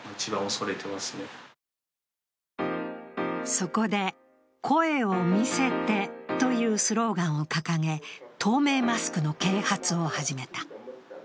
そこで「声を見せて」というスローガンを掲げ、透明マスクの啓発を始めた。